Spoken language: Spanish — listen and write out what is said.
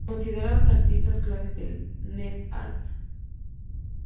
Considerados artistas claves del net.art.